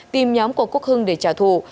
tìm nhóm của quốc hưng để trả thù